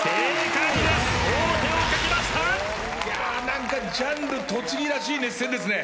何かジャンル栃木らしい熱戦ですね。